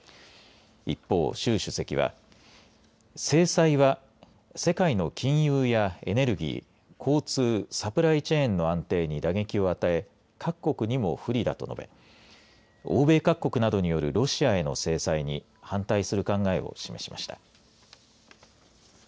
一方、習主席は制裁は世界の金融やエネルギー交通、サプライチェーンの安定に打撃を与え各国にも不利だと述べ欧米各国などによるロシアへの制裁に反対する考えを示しました。